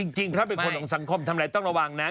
จริงถ้าเป็นคนของสังคมทำอะไรต้องระวังนะ